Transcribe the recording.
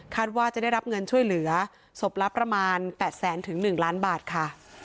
ว่าจะได้รับเงินช่วยเหลือศพละประมาณ๘แสนถึง๑ล้านบาทค่ะ